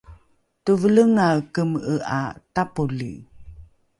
tevelengae keme’e ’a tapoli